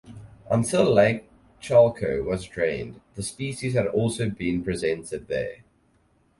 Until Lake Chalco was drained, the species had also been present there.